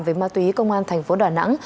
về ma túy công an thành phố đà nẵng